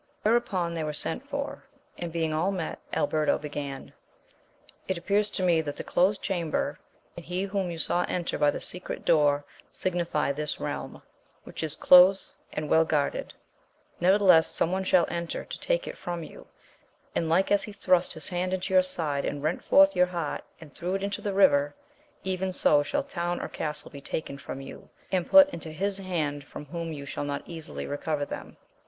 Whereupon they were sent for, and being all met, Alberto began. It appears to me that the closed chamber, and he whom you saw enter by the secret door, signify this realm, which is close and well guarded, nevertheless some one shall enter to take it from you, and like as he thrust his hand into your side and rent forth your heart and threw it into the river, even so shall town or castle be taken from you, and put into his hand from whom you shall not easily recover them.